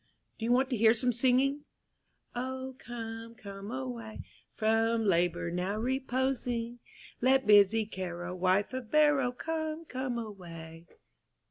Do you want to hear some singing? 'O, come, come away, From labor now reposin'; Let busy Caro, wife of Barrow, Come, come away!'"